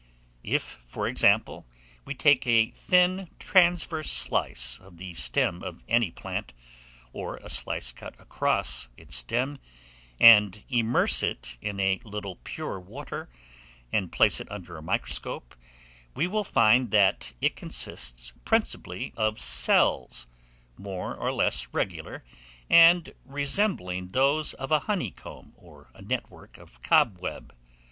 If, for example, we take a thin transverse slice of the stem of any plant, or a slice cut across its stem, and immerse it in a little pure water, and place it under a microscope, we will find that it consists principally of cells, more or less regular, and resembling those of a honeycomb or a network of cobweb.